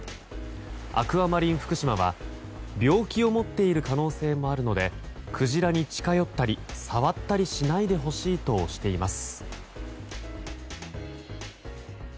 アクアマリンふくしまは病気を持っている可能性もあるのでクジラに近寄ったり触ったりしないでほしいとしています。